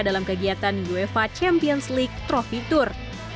dalam kegiatan uefa champions league trophy tour